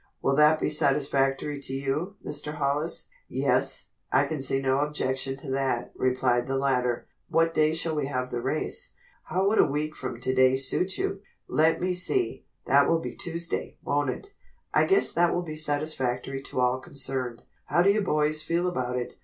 Will that be satisfactory to you, Mr. Hollis?" "Yes, I can see no objection to that," replied the latter, "what day shall we have the race?" "How would a week from today suit you?" "Let me see, that will be Tuesday, won't it? I guess that will be satisfactory to all concerned. How do you boys feel about it?"